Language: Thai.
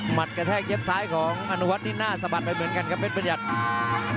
กระแทกเย็บซ้ายของอนุวัฒน์นี่หน้าสะบัดไปเหมือนกันครับเพชรบัญญัติ